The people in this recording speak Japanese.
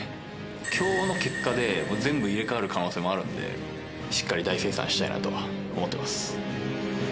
きょうの結果で、もう全部入れ替わる可能性もあるんで、しっかり大精算したいなと思っています。